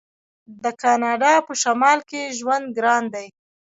د کاناډا په شمال کې ژوند ګران دی.